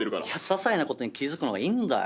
ささいなことに気付くのがいいんだよ。